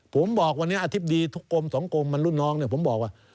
ผมบอกวันนี้อธิบดีทุกกรมสองกรมมันรุ่นน้องเนี่ยผมบอกว่า